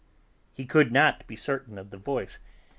He could not be certain of the voice.